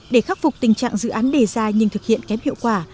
để khắc phục tình trạng dự án đề ra nhưng thực hiện kém hiệu quả